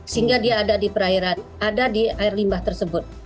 sehingga dia ada di perairan ada di air limbah tersebut